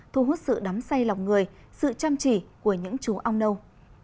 thu hút sự đắm say lòng người sự chăm chỉ của những chú ong nâu